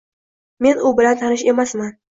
Men u bilan tanish emasman.